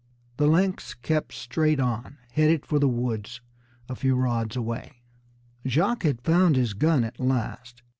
The lynx kept straight on, headed for the woods a few rods away. Jacques had found his gun at last.